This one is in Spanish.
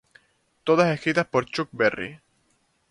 Todas escritas por Chuck Berry.